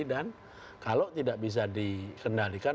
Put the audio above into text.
kalau tidak bisa dikendalikan